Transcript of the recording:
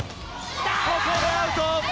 ここでアウト！